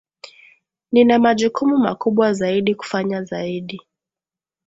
Nina majukumu makubwa zaidi kufanya zaidi